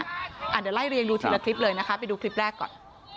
เดี๋ยวไล่เรียงดูทีละคลิปเลยนะคะไปดูคลิปแรกก่อน